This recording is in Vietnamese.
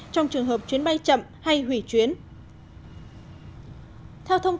trong trường hợp chuyến bay chậm hay hủy chuyến